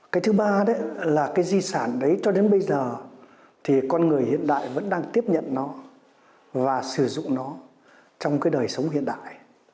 cái thứ ba đấy là cái di sản đấy cho đến bây giờ thì con người hiện đại vẫn đang tiếp nhận nó và sử dụng nó trong cái đời sống hiện đại